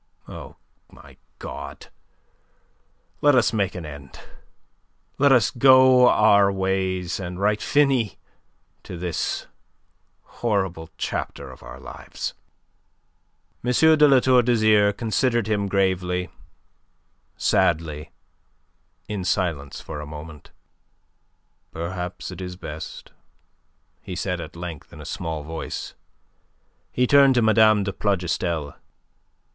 O my God, let us make an end! Let us go our ways and write 'finis' to this horrible chapter of our lives." M. le La Tour considered him gravely, sadly, in silence for a moment. "Perhaps it is best," he said, at length, in a small voice. He turned to Mme. de Plougastel.